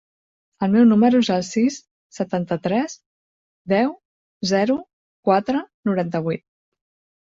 El meu número es el sis, setanta-tres, deu, zero, quatre, noranta-vuit.